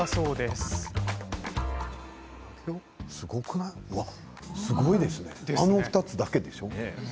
すごいですねあの２つだけでしょう？